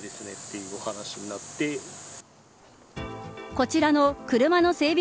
こちらの車の整備